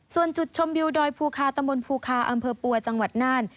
ส่วนจุดชมวิวดอยภูคาตำบลภูคาอำเภอปัวจังหวัดน่าน